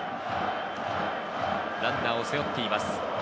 ランナーを背負っています。